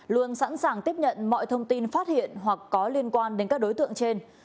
luôn sẵn sàng tiếp nhận mọi thông tin phát hiện hoặc có liên quan đến các đối tượng trên